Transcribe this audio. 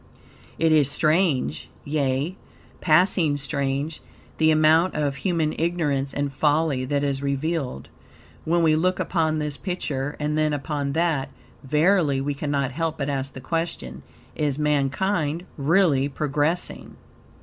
It is strange, yea, passing strange, the amount of human ignorance and folly that is revealed. When we look upon this picture and then upon that, verily we cannot help but ask the question, is mankind really progressing?